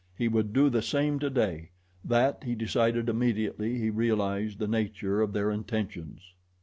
He would do the same today that he decided immediately he realized the nature of their intentions.